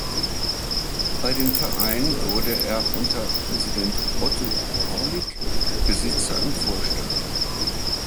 Bei dem Verein wurde er unter Präsident Otto Paulick Besitzer im Vorstand.